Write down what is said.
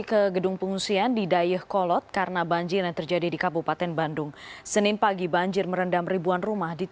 ke gerbang gerbang yang berada di kampung bojong asih